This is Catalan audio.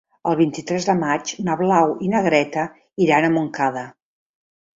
El vint-i-tres de maig na Blau i na Greta iran a Montcada.